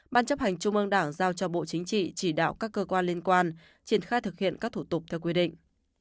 ban chấp hành trung ương đảng giao cho bộ chính trị chỉ đạo các cơ quan liên quan triển khai thực hiện các thủ tục theo quy định